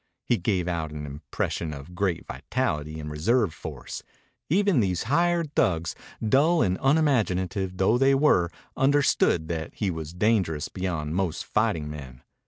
He gave out an impression of great vitality and reserve force. Even these hired thugs, dull and unimaginative though they were, understood that he was dangerous beyond most fighting men.